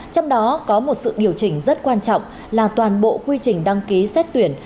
trong đó có một sự điều chỉnh rất quan trọng là toàn bộ quy trình đăng ký xét tuyển